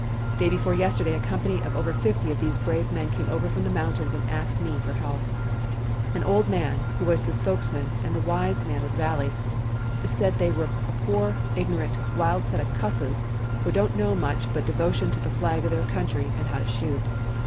Day before yesterday a company of over fifty of these brave men came over from the mountains and asked me for help. An old man, who was the spokesman and the wise man of the valley, said they were a poor, ignorant, wild set of 'cusses' who didn't know much but devotion to the flag of their country and how to shoot.